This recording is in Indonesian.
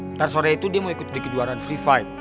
ntar sore itu dia mau ikut di kejuaraan free fight